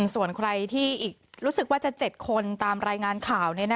ส่วนใครที่รู้สึกว่าจะ๗คนตามรายงานข่าว